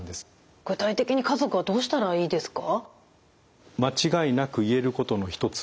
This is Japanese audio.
具体的に家族はどうしたらいいですか？